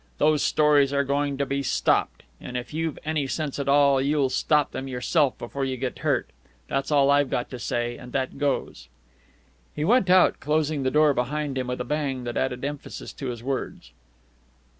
Those stories are going to be stopped. And if you've any sense in you at all, you'll stop them yourself before you get hurt. That's all I've got to say, and that goes." He went out, closing the door behind him with a bang that added emphasis to his words.